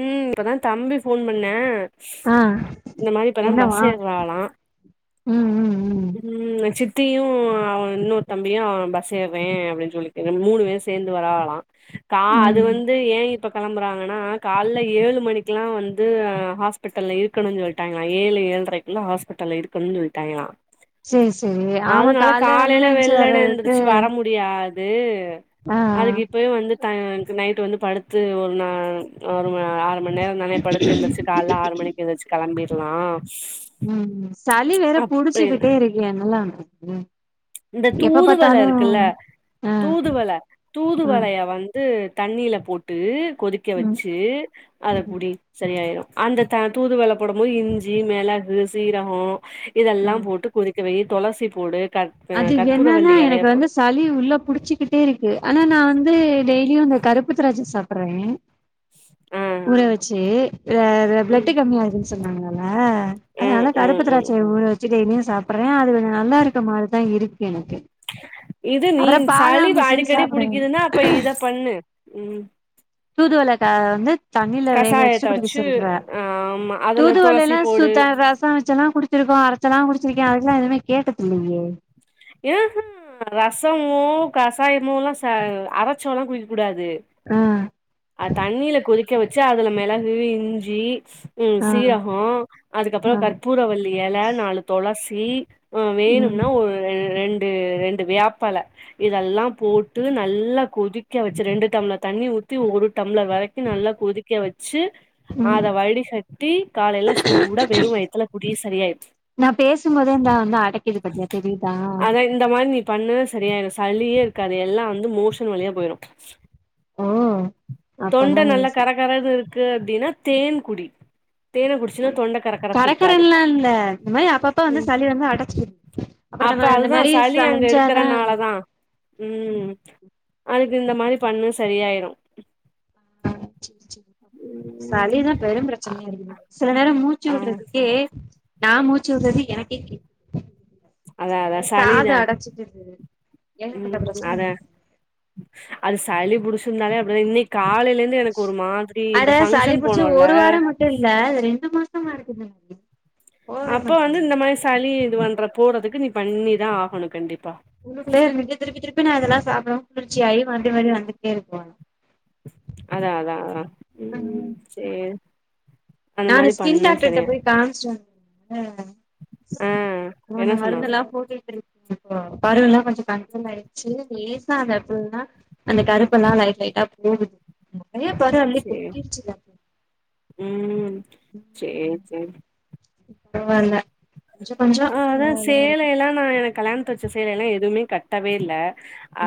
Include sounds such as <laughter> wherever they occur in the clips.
ம் இப்பதா தம்பி போன் பண்ணா ஆ என்னவா ஏர்றாளா ம் ம் ம் தியு அவன் இன்னொரு தம்பியு ‍அவ பஸ் ஏறுவே அப்படின்னு சொல்லிட்டு மூணு பேரும் சேந்து வராகலாம். கா அது ம் வந்து ஏன் இப்ப கெளம்புறாங்கன்னா காலைல ஏழு மணிக்கலா வந்து ஹாஸ்பிட்டல்ல இருக்கணுன் சொல்ட்டாங்களா ஏழு ஏழ்ரைக்குலா ஹாஸ்பிட்டல்ல இருக்கணுனு சொல்ட்டாய்ங்களா சரி சரி ஆமா காலைல வெள்ளன எந்துச்சு வர்றதுக்கு து ஆ அதுக்கு இப்பயு வந்து த நைட்டு வந்து படுத்து ஒரு நா அவனு ஆறு மணி நேரம் தானே படுத்து எந்திரிச்சு காலைல ஆறு மணிக்கு எழுந்திருச்சு கெளம்பிடு லா ம் ச நீ வேற அப்டி புடிச்சிகிட்டே இருக்கே நல்ல ம் இந்த தூதுவளே இருக்கில்லே ஆ தூதுவளே ஆ தூதுவளையே வந்து தண்ணீலே போட்டூ கொதிக்கே ம் வெச்சு அத ம் குடி செரியாயிரோ அந்தே த தூதுவளே போடம் மோது இஞ்சி மெளகு சீரகோ ஆ இதெல்லா போட்டு கொதிக் க்கவெய் தொளசி போடு க அது என்னெனா எனக்கு வந்து சளி உள்ளே புடிச்சுக்கிட்டே இருக் கு ஆனா நா வந்து டெயிலியு அந்த கருப்பு திராட்சா சாப்புட்றே ஆ ஊறே வெச்சு ஆ அது ம் பிளட்டு கம்மியா இருந்ச்சி சொன்னாங்கே நல்லா ஆ அ ம் நாலா ம் கருப்பு ம் திராட்சையே ஊறே வெச்சு டெயிலியு சாப் புறே அது நல்லா இருக்கமா தா இருக் எனக்கு இது அப்புறோ நீன் பாதாம் சளீவு பிசின் அடிக்கடி சாப்பிடுங்க புடிக்குதுனா அப்பே இத பண்ணு ம் தூதுவளேகா வந்து தண்ணில வேக கசாயத்த வெச்சுட்டு குடிக்க வச்சு சொல்ற ஆமா அதுல துளசி தூதுவளைல சு போடு த ரச வெச்செலா குடிச்சிருக்கோ வச்சிலா குடிச்சிருக்கே அதெல்லா கேட்டதுல்லையே ஆஹா ரசமோ கசாயமோல்லா ச அரைச்சல்லா குடிக்க கூடாது வந்து ஆ அ தண்ணியில கொதிக் திக்க வச்சு அதில மெளகு இஞ்சி உம் ஆ சீரகம் அதுக்கப்புற ஆ கற்பூரவல்லி இலை நாலு தொளசி தீ ஆ ம் வேணும்னா ஒரு ரெண்டு ரெண்டு வேப்பிலை இதெல்லா போட்டு நல்லா கொதிக்க வச்சு ரெண்டு டம்ளர் தண்ணி ஊத்தி ஒரு தம்ளர் வரைக்கு நல்லா கொதிக்க வச்சு ச்சு ம் அத வடி கட்டி காலையில சூட வெறும் வயித்துல குடி சரியாய்டு நா பேசும்போதே இந்தா வந்து அடைக்குது பாத்தியா தெரியுதா அதா இந்த மாரி நீ பண்ணு சரியாகிடு சளியே இருக்காது எல்லா வந்து மோஷன் வழியா போயிரு ஆஹ் தொண்டை நல்லா கர கரன்ருக்கு இருக்கு அப்டின்னா தேன் குடி தேனை குடிச்சுன்ன தொண்டை கரக்கரப்பு இருக்காது கரக்கரன்லா இல்ல இந்த மாரி அப்பப்ப வந்து உம் சளி வந்து அடைச்சிக்குது அப்புறோ அப்ப நம்ம இந்த அதுதான் மாரி சளி அங்க செஞ்சாதா இருக்கறனாலதா உம் அதுக்கு இந்த மாரி பண்ணு சரியாயிரு அ சரி சரி ம் சளிதா பெரும் பிரச்சனையா இருக்கு சில நேர மூச்சு ஆ விடுறதுக்கே நா மூச்சு விடுறது எனக்கே கேக்குது அதா அதா அது காது சளிதா அடைச்சிக்குது ஏகப்பட்ட உம் பிரச்சன அதா வருது அது சளி புடிச்ச இருந்தாலே அப்படிதா இன்னைக்கு காலையில இருந்து எனக்கு ஒரு மாதிரி இந்த ஆட சளி ஃபங்க்ஷன் புடிச்சு ஒரு போனோல்ல வார மட்டு இல்ல அது ரெண்டு மாசமா இருக்குது எனக்கு. போவே அப்போ வந்து மாட்டேங்குது இந்த மாரி சளி <unintelligible> போறதுக்கு நீ பண்ணிதா ஆகணு கண்டிப் உள்ளுக்குள்ளே இருந்துட்டு திருப்பி திருப்பி நாதுல்லா அப்றோ குளிச்சியாய் வந்த வழியே வந் ந்துக்கே இருக்கோ அதா அதா ஆ ம் சேரி அந்த நானு மாரி ஸ்கின் பண்ணு டாக்டர்ட்ட சரியா போய் காமிச்ச ஆ ஆ நா என்ன அந்த சொன்னா மருந்தெல்லா போட்டுட்ருக் அது இப்போ பருலா கொஞ்ச கண்ட்ரோல் ஆயிடுச்சு லேசா <unintelligible> அந்த கருப்பெல்லா லைட் லைட்டா போகுது ஆமா நெறைய பரு அள்ளி சேரி கொட்டிருச்சுல அப்போ ம் சேரி சேரி இப்போ‌ பரவாயில்ல ஹ அதா சேலையெல்லா நா எனக் கல்யாணத்துக்கு வச்ச சேலைையெல்லா எதுவுமே கட்டவே இல்ல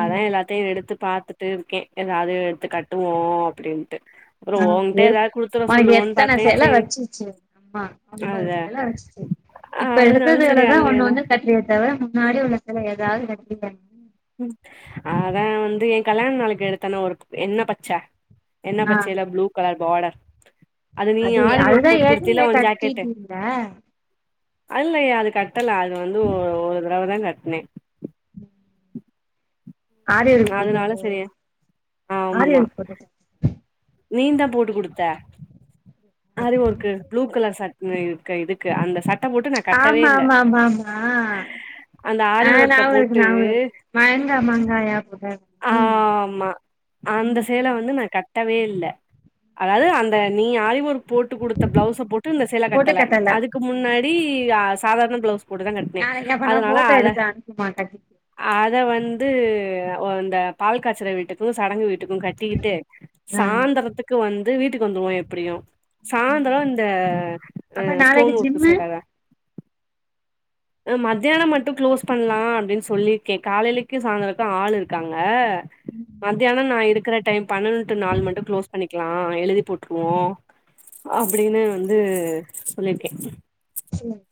அதா எல்லாத்தையு எடுத்து பாத்துட்டு இருக்கே ஏதாவது எடுத்து கட்டுவோ அப்டின்ட்டு அப்றோ ஆ ஓங்கிட்ட எத் எதாவது குடுத்துட நா சொல்லுவோன்னு எத்தன பாத்தே சேல சேரி வச்சிச்சு அம்மா அம்பது அத சேல வச்சிச்சு இப்ப எடுத் அதனால சேரி இருந்ததால தா அதுல ஒன்னு எதா ஒன்னு கட்டிக்கிட்டவ அதுக்காக முன்னாடி ஒனக்குன்னு ஏதாவது <inaudible> ம் அதா வந்து ஏ கல்யாண நாளைக்கு எடுத்தேன்ன ஒரு எண்ணெ பச்ச எண்ணெ ஆ பச்சைல ப்ளூ கலர் பாடர் அது அதுதா ஏற்கனவே கட்டீட்டில்ல அல்லையே அது கட் கட்டல அது வந்து ஒரு தடவதா‌ கட் னே ம் ஆரி ஒர்க் போட்டு அதனால ஒரு சரி ஆரி‌ ஒர்க் போட்டது நீன்தா போட்டுக் குடுத்த ஆரி ஒர்க்கு ப்ளூ கலர் சட்னு க இதுக்கு அந்த சட் ஆமா ஆமா ஆமா ஆமா அந்த ஆரி ஆ ஒர்க்க ஞாபக இருக்கு போட்டு ஞாபக இருக்கு மயங்கா மாங்காய போட்டு <inaudible> ஆமா அந்த சேல வந்து நா கட்டவே இல்ல அதாது அந்த நீ ஆரி ஒர்க் போட்டுக் குடுத்த பிளவுஸ போட்டு இந்த சேல போட்டு கட்டல அதுக்கு ம். முன்னாடி அ சாதாரண ப்ளவுஸ் போட்டுதா கட்னே நாளைக்கு அப்பனா அதனால போட்டோ அத எடுத்து அனுப்புமா கட்டிக்கு ஆ அத வந்து ஒ இந்த பால் காய்ச்சர வீட்டுக்கு சடங்கு வீட்டு டுக்கு கட்டிக்கிட்டு ஆ சாய்ந்திரத்துக்கு வந்து வீட்டுக்கு வந்துருவோ எப்டியு ம். சாய்ந்தரோ இந்த அப்ப ஹ் ஸ்டோன் நாளைக்கு ஒர்க்கு ஜிம்மு சீல தா ஹ மத்தியான மட்டு கு்ளோஸ் பண்ணலா அப்டின்னு சொல்லி இருக்கே காலையிலக்கு சாய்ந்தரக்கு ஆள் இருக்காங்க ம். மத்தியானோ நா இருக்கிற டைம் <unintelligible> டு நாள் மட்டும் க்ளோஸ் பண்ணிக்கலாம் எழுதி போட்டுருவோ அப்டின்னு வந்து சொல்லி இருக்கே சொல்லுங்க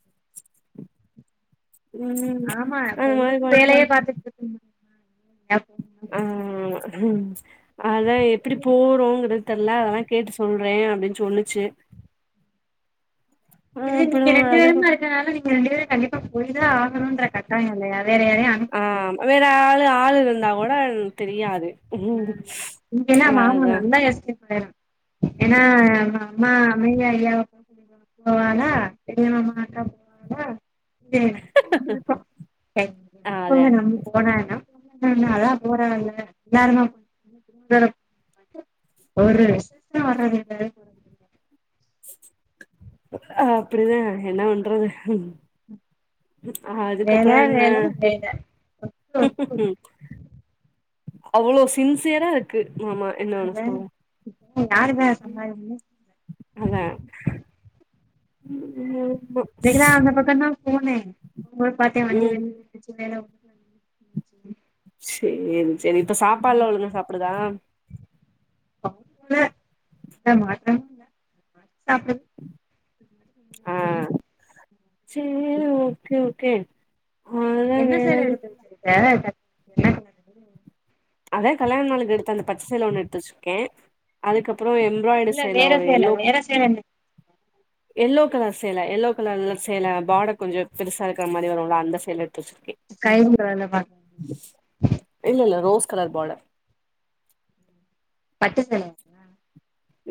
ம் ஆமா அந்த மாரி ஒண்ணுக்கும் பண்ட்டு வேலையே பாத்துட்டு எப் ஆஹ் அதா எப்படி போ போங்கிறது தெரியல அதெல்லாம் கேட்டு சொல்றேன் அப்டின்னு சொல்லுச்சு ஆ இது அப்புறோ நீங்க ரெண்டு அதுக்கு பேருமா இருக்கனால நீங்க ரெண்டு பேரும் கண்டிப்பா போயிதா ஆக் ஆஹ் முடியாது வேற ஆள் ஆள் வந்து வந்தா கூட தெரியாது ம் ஆஹ் இங்க தா மாமா அதா நல்லா எஸ்கேப் ஆயிரா ஏன்னா அம்மா அம்மா அம்மைய ஐயா பாக்க போவாளா பெரிய மாமா அக்காவ போவாளா செரி <unintelligible> அதே போவனா போனா என்ன அதா போறேல்ல எல்லாருமா ஏனப் ஒரு விசேஷனா வர்துல்ல அப்டிதா என்ன பண்றது வேல அதுக்கப்புறோ என்ன வேல வேல ஒர்க் ஒர்க்கு அவளோ சின்சியரா இருக்கு மாமா என்ன ஒன்னு நில்லு சொல்ல இப்ப யாரு பா சொன்னா இப்டினு அதா <inaudible> வேகிதா அந்த பக்கோந்தா போனேன் உங்கள பாத்தேன் வண்டி ம் வண்டிச்சு வேல உ சேரி செரி இப்போ சாப்பாடுலா ஒழுங்கா சாப்புடுதா <unintelligible> உம் சேர் உஹ சேர் ஓகே அதா என்ன வேற சேல எது எடுத்து வச்சிருக்க கட் என்னக் அதே கல்யாண நாளுக்கு எடுத்து அந்த பச்ச சேல ஒண்ணு எடுத்து வச்சிருக்கேன் அதுக்கப்புறம் எம்ப்ராய்டரி இல்ல செய்ல வேற ஒரு சேல எல்லோ வேற கலர் சேல என்ன எல்லோ கலர் சேலை எல்லோ கலர்ல சேல பாடர் கொஞ்சம் பெருசா இருக்கிற மாரி வரும்ள அந்த சேல ம் ஸ்கைபுளு கலர்ல பாத்தே இல்லல்ல ரோஸ் கலர் பாடர் பட்டு சேலயாக்கா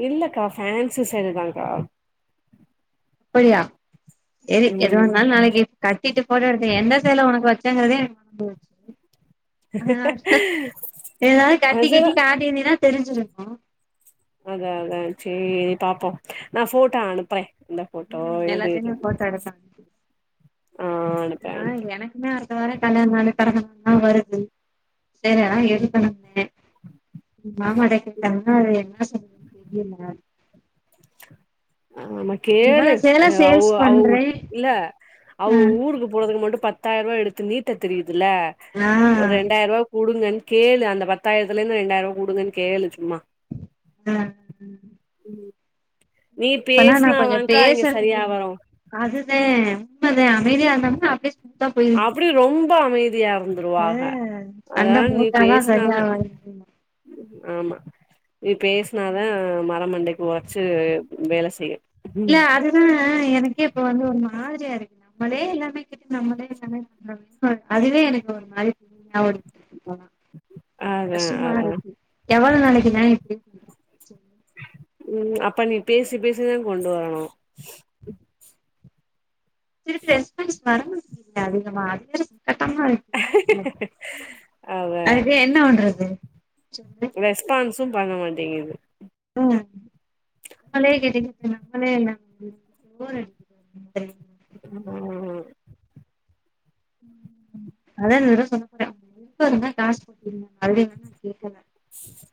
இல்லக்கா ஃபேன்சு சரிதாங்கா அப்படியா சேரி எதுவாந்தாலு நாளைக்கு கட்டிட்டு ஃபோட்டோ எடுத்தங்க எந்த சேல உனக்கு வச்சுங்கறதே எனக்கு மறந்து போச்சு அ ஹ எதனா கட்டி அது கிட்டி காட்டினினா தெரிஞ்சுருமா அதா அதா சேரி பாப்போ நா ஃபோட்டா அனுப்புற எந்த ஃபோட்டோ ம் எது எது எல்லாத்தையுமே போட்டோ எடுத்து அனுப்பிடு ஆ அனுப்பற ஆ அனுப்ப எனக்குமே அடுத்த வாரோ கல்யாண நாள் பெறந்தநால்லா வருது சேலைலா எடுக்கணும்ன மாமாட்ட கேட்டாங்கன்னா அது என்ன சொல்லுதுன் தெரில ஆமா இவ்வள கேளு சேல சேல்ஸ் அவுக அவுக பண்றே இல்ல ஆ அவக ஊருக்கு போறதுக்கு மட்டு பத் பத்தாயிரூவா எடுத்து நீட்ட தெரிது துல்ல ஆ ஓரு ரெண்டாயிரூவா குடுங்கன்னு கேளு அந்த பத்தாயிரத்துலேந்து ரெண்டாயிர ரூவா குடுங்கனு கேளு சும்மா ம் ம் இப்பனா நா கொஞ்சோ பேசுறது இல்ல வரு அதுதா உண்மைதா அமைதியா இருந்தோம்னா அப்டியே ஸ்மூத்தா போயிருது அப்டியு ரொம்ப அமைதியா ஆ இருந்துருவாக சண்ட அதனால நீ போட்டாதா பேசினாதா சரியாவாது ஆமா நீ பேசினாதா மரமண்டைக்கு வச்சு வேலை செய்ய இல்ல அதுதா எனக்கே இப்ப வந்து ஒரு மா திரியாருக்கு நம்மளே எல்லாமே கேட்டு நம்மளே எல்லாமே பண்ணனு அ அதுவே எனக்கு ஒரு மாரி பொறுமையா ஓடிட்டு இருக்கு, அதா கஷ்டமா அதா இருக்கு எவ்வளோ நாளைக்குதா இப்டியே போய்ட்டு இருக்கது சொல் ம் அப்ப நீ பேசி பேசிதா கொண்டு வரணு திருப்பி ரெஸ்பான்ஸ் வர மாட்டேங்குதுங்க அதிகமா அதுவே கஸ்டமா இருக்கு அதா அதுக்கு என்ன பண்றது சொல்லு ரெஸ்பான்ஸும் பண்ண மாட்டேங்குது நமளே கேட்டுகிட்டு நம்மளே எல்லா எடுத்துகிட்டு போர் அடிக்குது ம் ம் <unintelligible> அதிகமா கேக்கல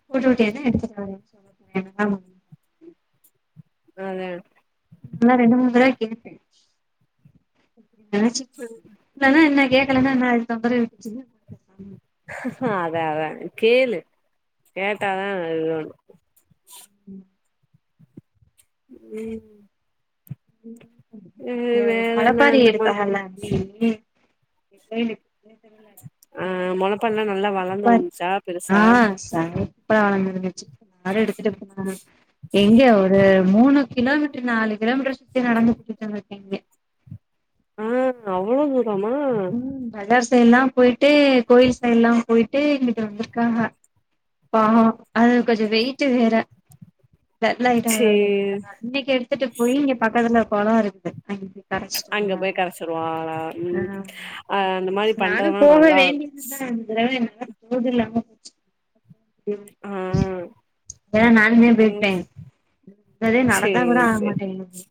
போட் எது எடுத்துகறது சொல்லுங்க ஆஹ் நா ரெண்டு மூணு தடவ கேட்டே <unintelligible> <unintelligible> அதான் அதான் கேளு கேட்டாதா அதனு ம் உம் ம் ஆ மழைப்பாரி என்ன இந்தமா எடுப்பாங்கல உம் உம் <unintelligible> ஒன்னுமே ஆ சொல்லல மொளப்பாரிலா ஆ நல்லா வளர்ந்து வந்துச்சா பெருசா சுப்பரா வளர்து துச்சு எடுத்துட்டு போன எங்க ஒரு மூணு கிலோமீட்டர் நாலு கிலோமீட்டர் சுத்தி நடந்து கூட்டிட்டு வந்து இருக்கீங்க ஆஹ் அவ்ளோ தூ ரம்மா டு எல்லா போயிட்டு கோயில் சைடு எல்லா போயிட்டு இங்கிட்டு வந்திருக்காங்க பாவம் அது கொஞ்ச வெயிட் வேற டல்லாயிட்டாக சேரி இன்னைக்கு எடுத்துட்டு போய் இங்க பக்கத்துல குளம் இருக்கு அங்க போய் கரைச்சிட்டு அங்க போய் வந்தாங்க கரைச்சிருவாகளா உம் ஆ நானு போக வேண்டியதுதா அங்க என்னால போக முடியாம போச்சு ஆ ம்ஹ் இல்லான நானுமே ம் போயிப்பே இந்தலே நடந்தா கூட சேரி ஆரமாட்டேங்கது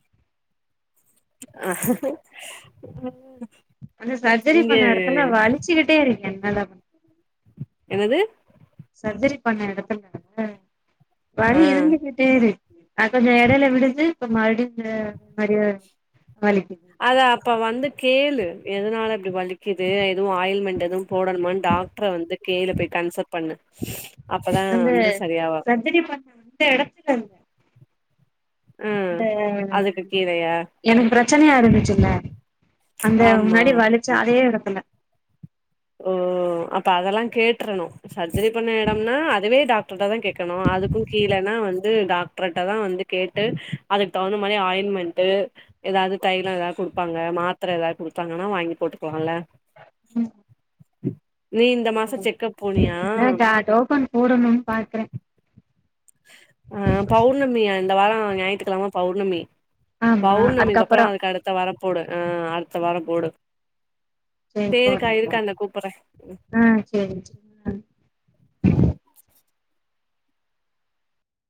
ஆஹஹ அந்த சர்ஜரி பண்ண எடத்துல வலிச்சுக்கிட்டே இருக்கே நல்ல என்னது பண்ண எடத்துல வலி ஆ இருந்துகிட்டே இரு அ கொஞ்ச எடைல விடுது இப்ப மறுடியு மறுடியு அத அப்ப வந்து கேளு எதனால அப்டி வலிக்குது எதுவு ஆயில்மென்ட் எதுவு போடணுமான் டாக்டர வந்து கேளு போய் கன்சல்ட் பண்ணு அப்பதா அந்த வந்து சரியாவா சர்ஜரி பண்ண அந்த ஆ இந்த அதுக்கு கீழயா எனக்கு பிர ச்சனையா இருந்துச்சுல்ல அந்த ஆமா முன்னாடி வலிச்ச அதே எடத்துல ஓ அப்ப அதெல்லா கேட்ரணு சர்ஜரி பண்ண எடம்னா அதுவே டாக்டர்ட்டதா கேக் கணு அதுக்கு கீழனா வந் து டாக்டர்ட்டதா வந்து கேட்டு அதுக்கு தகுந்த மாரி ஆயின்மெண்ட் எதாவ்து தைல எதாது குடுப்பாங்க மாத்தர எதாது குடுத்தாங்கனா வாங்கி போட்டுக்கலால ம் நீ இந்த மாசோ செக்கப் போனியா இல்லாக்கா டோக்கன் போடணுன் பாக்கற அ பௌர்ணமி இந்த வார ஞாயித்துகெழம பௌர்ணமி ஆமா பௌர்ணமிக்கப்பற அதுக்கப்புறோ அதுக்கு அடுத்த வார போடு ஆ அடுத்த வாரம் போடு செரி சேரிக்கா இரு போறங்க அக்கா இந்த கூப்புறே ஆ செரி ஆ